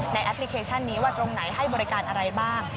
แอปพลิเคชันนี้ว่าตรงไหนให้บริการอะไรบ้าง